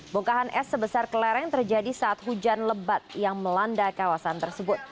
bongkahan es sebesar kelereng terjadi saat hujan lebat yang melanda kawasan tersebut